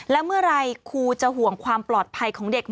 และเมื่อไหร่ครูจะห่วงความปลอดภัยของเด็ก